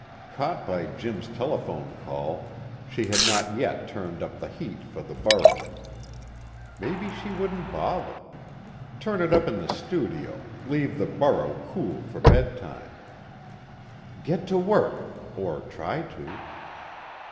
Caught by Jim's telephone call, she had not yet turned up the heat for the Burrow. Maybe she wouldn't bother. Turn it up in the studio, leave the Burrow cool for bedtime. _Get to work! Or try to.